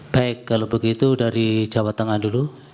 baik kalau begitu dari jawa tengah dulu